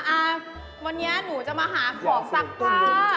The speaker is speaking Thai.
อ่าวันนี้หนูจะมาหาเจ้าหนู